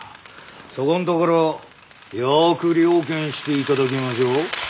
そこんところよく了見していただきましょう。